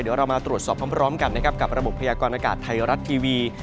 เดี๋ยวเรามาตรวจสอบพร้อมกันนะครับกับระบบพยากรณากาศไทยรัฐทีวี